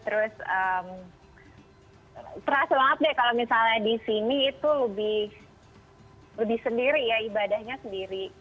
terus terasa banget deh kalau misalnya di sini itu lebih sendiri ya ibadahnya sendiri